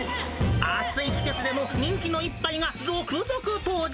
暑い季節でも人気の一杯が続々登場。